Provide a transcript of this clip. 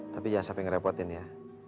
tapi jangan sampai ngerepotin ya